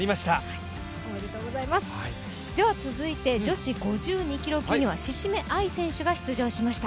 続いては女子５２キロ級には志々目愛選手が出場しました。